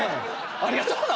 ありがとうな！